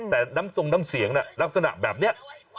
แต่น้ำทรงน้ำเสียงลักษณะแบบนี้